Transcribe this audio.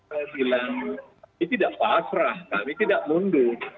kami tidak pasrah kami tidak mundur